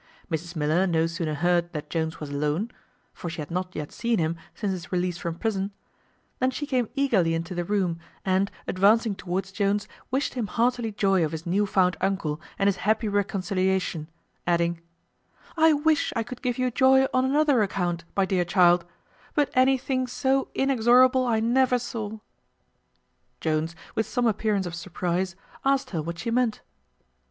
Mrs Miller no sooner heard that Jones was alone (for she had not yet seen him since his release from prison) than she came eagerly into the room, and, advancing towards Jones, wished him heartily joy of his new found uncle and his happy reconciliation; adding, "I wish I could give you joy on another account, my dear child; but anything so inexorable I never saw." Jones, with some appearance of surprize, asked her what she meant.